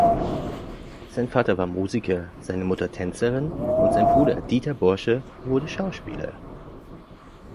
Sein Vater war Musiker, seine Mutter Tänzerin und sein Bruder Dieter Borsche wurde Schauspieler.